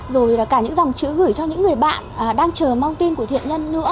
rồi là cả những dòng chữ gửi cho những người bạn đang chờ mang tin của thiện nhân nữa